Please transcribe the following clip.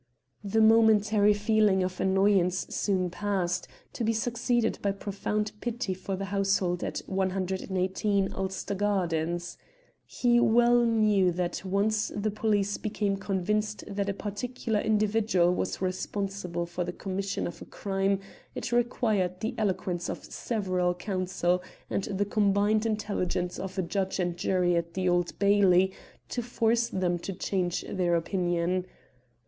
The momentary feeling of annoyance soon passed, to be succeeded by profound pity for the household at 118, Ulster Gardens. He well knew that once the police became convinced that a particular individual was responsible for the commission of a crime it required the eloquence of several counsel and the combined intelligence of a judge and jury at the Old Bailey to force them to change their opinion.